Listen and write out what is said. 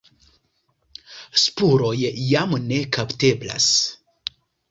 Spuroj jam ne kapteblas.